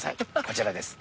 こちらです。